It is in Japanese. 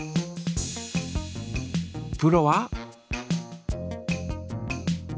プロは？